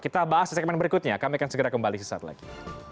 kita bahas di segmen berikutnya kami akan segera kembali sesaat lagi